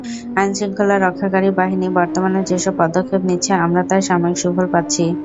আইনশৃঙ্খলা রক্ষাকারী বাহিনী বর্তমানে যেসব পদক্ষেপ নিচ্ছে, আমরা তার সাময়িক সুফল পাচ্ছি।